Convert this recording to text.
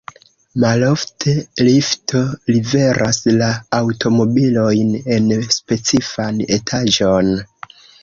Malofte, lifto liveras la aŭtomobilojn en specifan etaĝon.